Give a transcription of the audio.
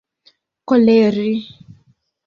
koleri